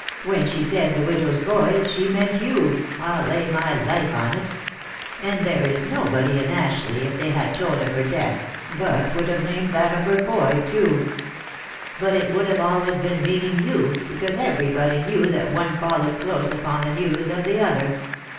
" When she said the widow's boy, she meant you, I'll lay my life on it; and there is nobody in Ashleigh, if they had told of her death, but would have named that of her boy too; but it would have always been meaning you, because every body knew that one followed close upon the news of the other.